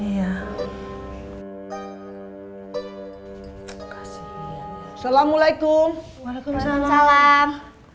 kasih assalamualaikum waalaikumsalam